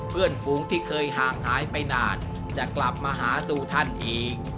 เพื่อนฝูงที่เคยห่างหายไปนานจะกลับมาหาสู่ท่านอีก